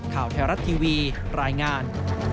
ข่าวไทยรัฐทีวีรายงาน